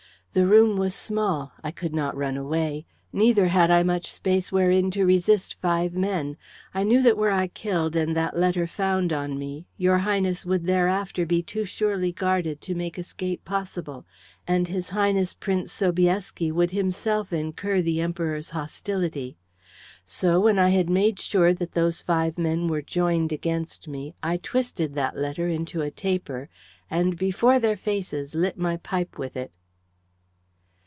The room was small; I could not run away; neither had I much space wherein to resist five men. I knew that were I killed and that letter found on me, your Highness would thereafter be too surely guarded to make escape possible, and his Highness Prince Sobieski would himself incur the Emperor's hostility. So when I had made sure that those five men were joined against me, I twisted that letter into a taper and before their faces lit my pipe with it."